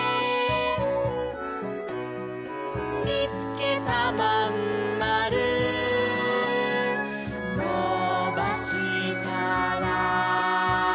「みつけたまんまるのばしたら」